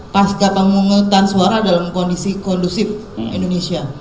pasca pemungutan suara dalam kondisi kondusif indonesia